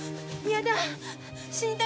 嫌だ！